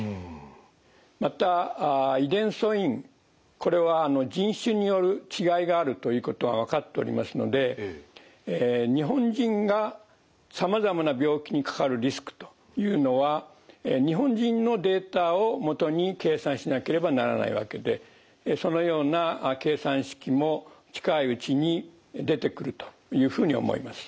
これは人種による違いがあるということが分かっておりますので日本人がさまざまな病気にかかるリスクというのは日本人のデータをもとに計算しなければならないわけでそのような計算式も近いうちに出てくるというふうに思います。